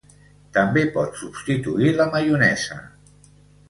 També pot substituir la maionesa.